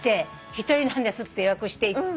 一人なんですって予約して行って。